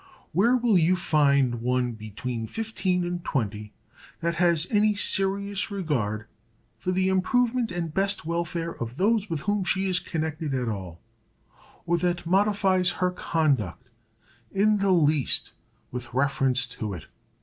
Where will you find one between fifteen and twenty that has any serious regard for the improvement and best welfare of those with whom she is connected at all, or that modifies her conduct, in the least, with reference to it?